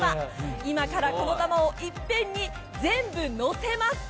今からこの玉をいっぺんに全部のせます。